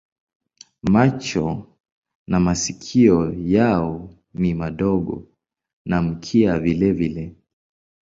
Macho na masikio yao ni madogo na mkia vilevile.